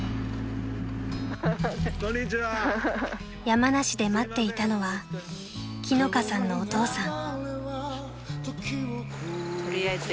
［山梨で待っていたのは樹乃香さんのお父さん］